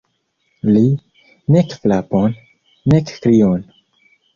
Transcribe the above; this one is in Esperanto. Li: nek frapon, nek krion.